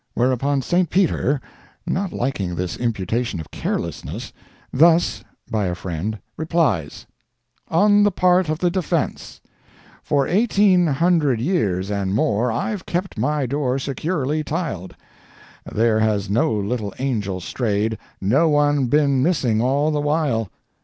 Whereupon Saint Peter, not liking this imputation of carelessness, thus (by a friend) replies: ON THE PART OF THE DEFENCE For eighteen hundred years and more I've kept my door securely tyled; There has no little angel strayed, No one been missing all the while.